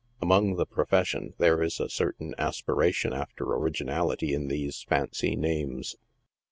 Among the " profession" there is a certain aspiration after originality in these fancy names.